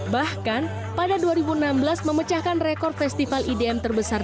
bahkan pada dua ribu enam belas memecahkan rekor festival idm terbesar